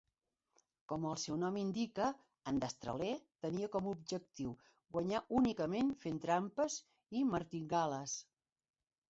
Com el seu nom indica, en Destraler tenia com a objectiu guanyar únicament fent trampes i martingales.